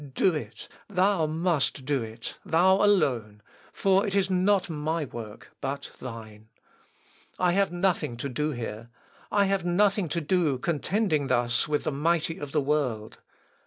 Do it: Thou must do it.... Thou alone ... for it is not my work, but Thine. I have nothing to do here; I have nothing to do contending thus with the mighty of the world!